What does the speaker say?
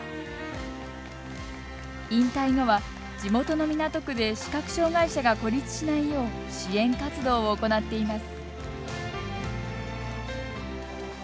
引退後は、地元の港区で視覚障がい者が孤立しないよう支援活動を行っています。